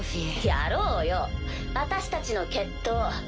やろうよ私たちの決闘。